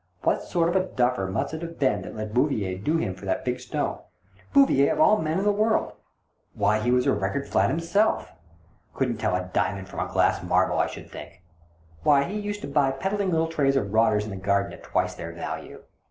What sort of a duffer must it have been that let Bouvier do him for that big stone — Bouvier of all men in the world ? Why, he was a record flat himself — couldn't tell a diamond from a glass marble, I should think. Why, he used to buy peddling little trays of rotters in the Garden at twice their value